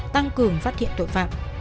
tăng cường phát hiện tội phạm